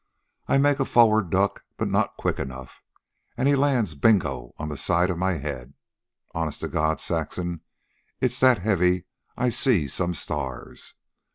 I make a forward duck, not quick enough, an' he lands bingo on the side of my head. Honest to God, Saxon, it's that heavy I see some stars.